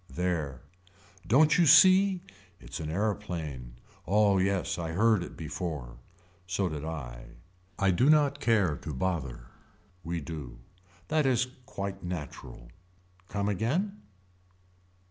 There. Don't you see. It's an aeroplane. Oh yes I heard it before. So did I. I do not care to bother. We do. That is quite natural. Come again.